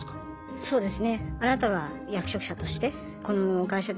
そうですよね。